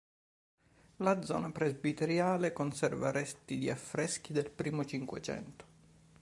La zona presbiteriale conserva resti di affreschi del primo Cinquecento.